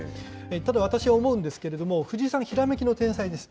ただ、私は思うんですけれども、藤井さん、ひらめきの天才です。